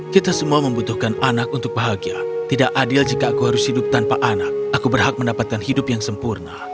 kita semua membutuhkan anak untuk bahagia tidak adil jika aku harus hidup tanpa anak aku berhak mendapatkan hidup yang sempurna